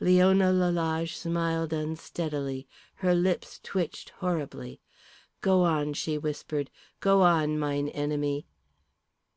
Leona Lalage smiled unsteadily. Her lips twitched horribly. "Go on," she whispered. "Go on, mine enemy."